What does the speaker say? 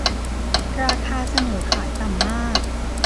ราคาเสนอขายต่ำมาก